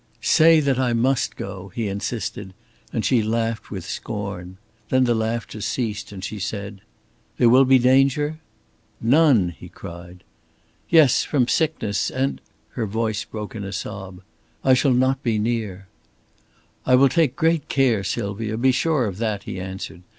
"Say that I must go!" he insisted, and she laughed with scorn. Then the laughter ceased and she said: "There will be danger?" "None," he cried. "Yes from sickness, and " her voice broke in a sob "I shall not be near." "I will take great care, Sylvia. Be sure of that," he answered.